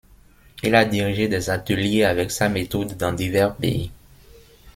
Il a dirigé des ateliers avec sa méthode dans divers pays.